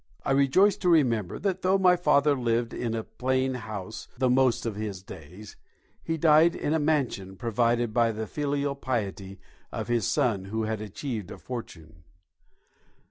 I rejoice to remember that though my father lived in a plain house the most of his days, he died in a mansion provided by the filial piety of his son who had achieved a fortune.